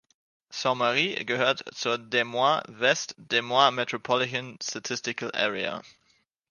Saint Marys gehört zur Des Moines-West Des Moines Metropolitan Statistical Area.